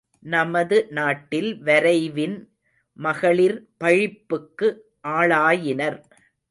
நமது நாட்டில் வரைவின் மகளிர் பழிப்புக்கு ஆளாயினர்.